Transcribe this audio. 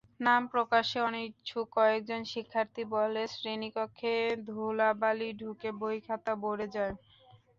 নাম প্রকাশে অনিচ্ছুক কয়েকজন শিক্ষার্থী বলে, শ্রেণিকক্ষে ধুলাবালি ঢুকে বই-খাতা ভরে যায়।